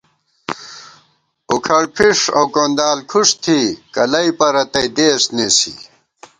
اُکھڑ پھِݭ اؤ کوندال کھُݭ تھی کلَئ پرَتئ دېس نېسی